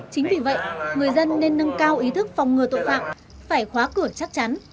chính vì vậy người dân nên nâng cao ý thức phòng ngừa tội phạm phải khóa cửa chắc chắn